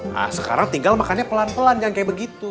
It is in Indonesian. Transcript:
nah sekarang tinggal makannya pelan pelan yang kayak begitu